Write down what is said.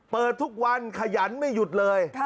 เปิดทุกวันขยันไม่หยุดเลย